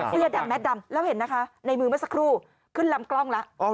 เสื้อดำแมทดำแล้วเห็นนะคะในมือเมื่อสักครู่ขึ้นลำกล้องแล้ว